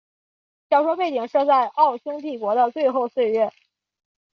小说背景设在奥匈帝国的最后岁月。